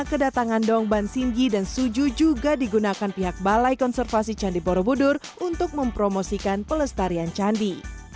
kedatangan dongban singgi dan suju juga digunakan pihak balai konservasi candi borobudur untuk mempromosikan pelestarian candi